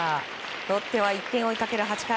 ロッテは１点を追いかける８回。